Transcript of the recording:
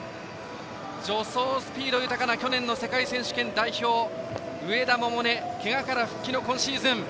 助走スピード豊かな去年の世界選手権代表の上田百寧けがから復帰の今シーズン。